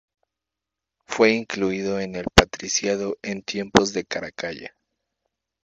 Fue incluido en el patriciado en tiempos de Caracalla.